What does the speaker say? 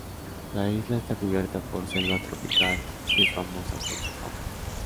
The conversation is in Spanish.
La isla está cubierta por selva tropical y es famosa por su fauna.